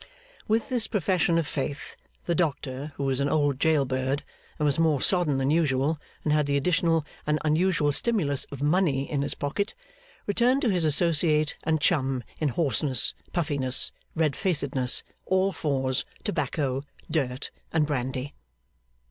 With this profession of faith, the doctor, who was an old jail bird, and was more sodden than usual, and had the additional and unusual stimulus of money in his pocket, returned to his associate and chum in hoarseness, puffiness, red facedness, all fours, tobacco, dirt, and brandy.